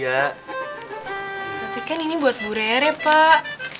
tapi kan ini buat bu rere pak